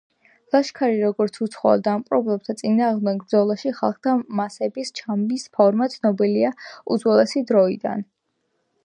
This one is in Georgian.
ლაშქარი, როგორც უცხოელ დამპყრობთა წინააღმდეგ ბრძოლაში ხალხთა მასების ჩაბმის ფორმა, ცნობილია უძველესი დროიდან.